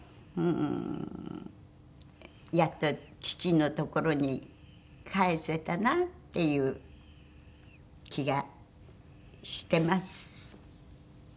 うーんやっと父のところに返せたなっていう気がしてます。